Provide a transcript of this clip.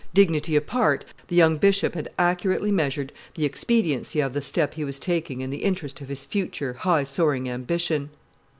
Dignity apart, the young bishop had accurately measured the expediency of the step he was taking in the interest of his future, high soaring ambition.